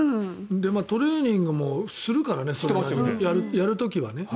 トレーニングもするからねやる時はね。